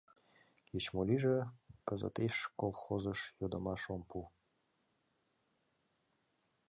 Кеч-мо лийже, кызытеш колхозыш йодмашым ом пу...